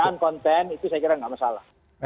bukan konten itu saya kira nggak masalah